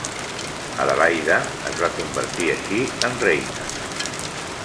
Adelaida es va convertir així en reina.